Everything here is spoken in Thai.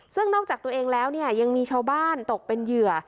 ซึ่งนอกจากตัวเองแล้วเนี่ยยังมีชาวบ้านตกเป็นเหยื่อ